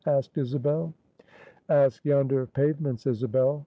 asked Isabel. "Ask yonder pavements, Isabel.